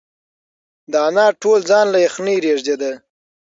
د انا ټول ځان له یخنۍ رېږدېده.